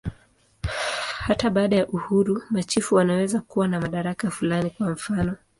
Hata baada ya uhuru, machifu wanaweza kuwa na madaraka fulani, kwa mfanof.